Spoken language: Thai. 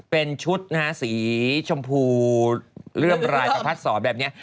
เป็นชุดนะฮะสีชมพูเลื่อมรายประพัดสอนแบบนี้